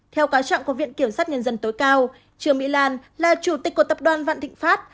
theo cáo trạng của viện kiểm sát nhân dân tối cao trương mỹ lan là chủ tịch của tập đoàn vạn thịnh pháp